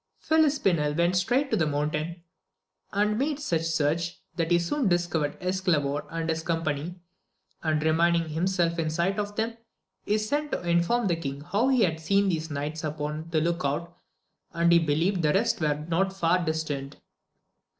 Filispinel went straight to the mountain, and made such search, that he soon discovered Esclavor and his company ; and remaining himself in sight of them, he sent to inform the king how he had seen these few knights upon the look out, and that he believed the rest were not far distant.